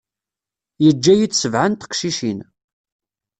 Yeǧǧa-yi-d sebɛa n teqcicin.